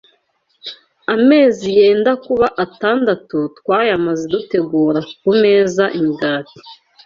Amezi yenda kuba atandatu twayamaze dutegura ku meza imigati